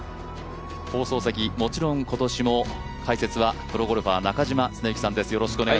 放送席、もちろん今年も解説はプロゴルファー、中嶋常幸さんです